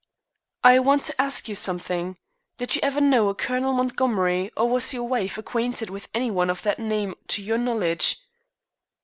"I want to ask you something. Did you ever know a Colonel Montgomery, or was your wife acquainted with any one of that name to your knowledge?"